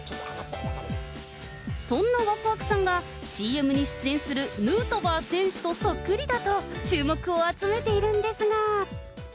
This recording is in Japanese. そんなわくわくさんが、ＣＭに出演するヌートバー選手とそっくりだと、注目を集めているんですが。